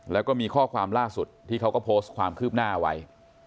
แล้วก็มีข้อความล่าสุดที่เขาก็โพสต์ความคืบหน้าไว้